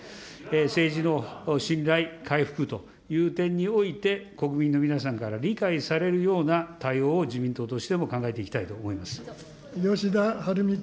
政治の信頼回復という点において、国民の皆さんから理解されるような対応を自民党としても考えてい吉田はるみ君。